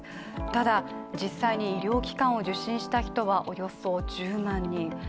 ただ、実際に医療機関を受診した人はおよそ１０万人。